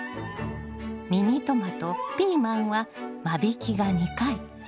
ミニトマトピーマンは間引きが２回。